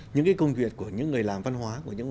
những cái công việc của những người làm văn hóa